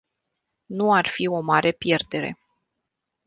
Nu ar fi o mare pierdere.